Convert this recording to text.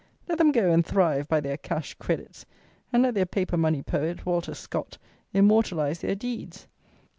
Let them go and thrive by their "cash credits," and let their paper money poet, Walter Scott, immortalize their deeds.